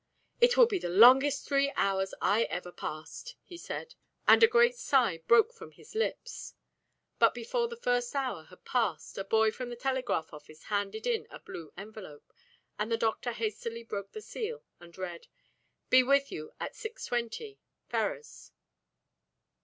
"It will be the longest three hours I ever passed," he said, and a great sigh broke from his lips. But, before the first hour had passed, a boy from the telegraph office handed in a blue envelope, and the doctor hastily broke the seal and read "Be with you at 6.20. "FERRARS."